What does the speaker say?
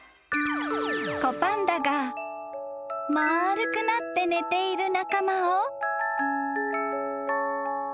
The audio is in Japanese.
［子パンダが丸くなって寝ている仲間を］